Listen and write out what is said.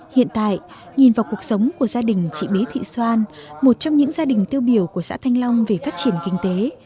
hiện tại nhìn vào cuộc sống của gia đình chị bí thị xoan một trong những gia đình tiêu biểu của xã thanh long về phát triển kinh tế